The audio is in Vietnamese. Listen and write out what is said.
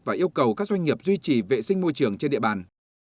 và yêu cầu các doanh nghiệp duy trì vệ sinh môi trường trên địa bàn